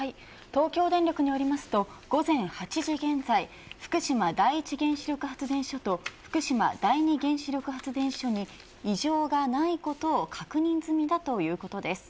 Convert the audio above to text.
東京電力によりますと午前８時現在福島第一原子力発電所と福島第二原子力発電所に異常がないことを確認済みだということです。